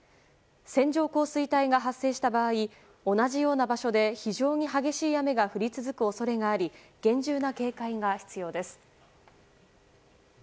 線状降水帯が発生した場合同じような場所で非常に激しい雨が降り続く恐れがあり厳重な警戒が必要です。